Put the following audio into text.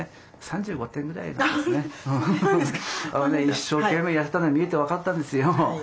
一生懸命やってたのは見てて分かったんですよ。